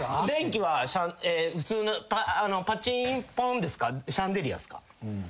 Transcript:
電気は普通のパチンポンですか？